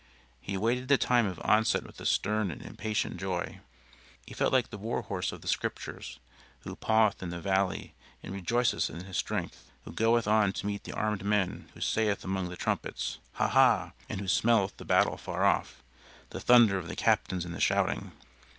He awaited the time of onset with a stern and impatient joy. He felt like the war horse of the Scriptures, who 'paweth in the valley and rejoiceth in his strength: who goeth on to meet the armed men who sayeth among the trumpets, ha! ha! and who smelleth the battle afar off, the thunder of the Captains and the shouting.'